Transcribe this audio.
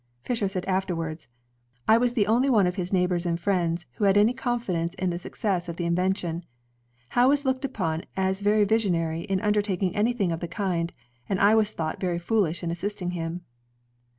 Fisher said afterwards: "I was the only one of his neighbors and friends ... who had any confidence in the success of the invention. Howe was looked upon as very visionary jn undertaking anything of the kind, and I was thought very foolish in assisting him."